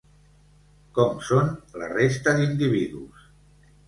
Com són la resta d'individus?